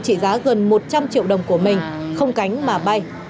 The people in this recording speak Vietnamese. khi phát hiện chiếc xe máy sh trị giá gần một trăm linh triệu đồng của mình không cánh mà bay